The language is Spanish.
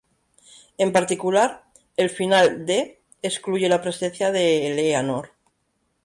En particular, el final "D" excluye la presencia de Eleanor.